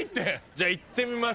じゃあいってみます。